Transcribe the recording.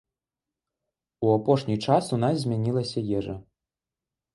У апошні час у нас змянілася ежа.